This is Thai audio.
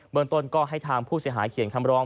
เมืองต้นก็ให้ทางผู้เสียหายเขียนคำร้อง